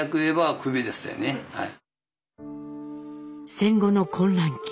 戦後の混乱期